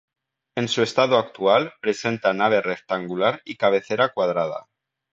En su estado actual presenta nave rectangular y cabecera cuadrada.